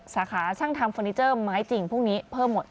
สาขาช่างทำเฟอร์นิเจอร์ไม้จริงพวกนี้เพิ่มหมด